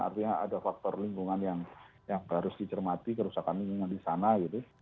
artinya ada faktor lingkungan yang harus dicermati kerusakan lingkungan di sana gitu